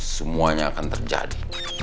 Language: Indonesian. semuanya akan terjadi